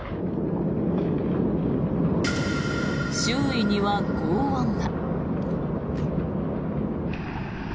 周囲には、ごう音が。